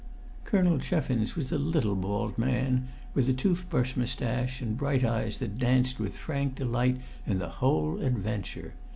Colonel Cheffins was a little bald man with a tooth brush moustache, and bright eyes that danced with frank delight in the whole adventure.